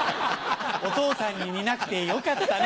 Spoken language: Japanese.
お父さんに似なくてよかったね。